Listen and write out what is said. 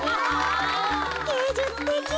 げいじゅつてき。